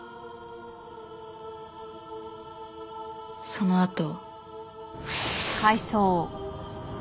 そのあと。